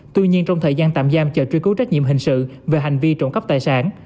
tuy nhiên trong thời gian tạm giam chờ truy cứu trách nhiệm hình sự về hành vi trộm cắp tài sản